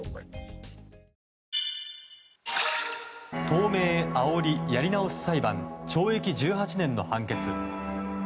東名あおり、やり直し裁判懲役１８年の判決。